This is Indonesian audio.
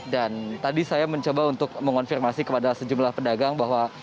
dan tadi saya mencoba untuk mengonfirmasi kepada sejumlah pedagang bahwa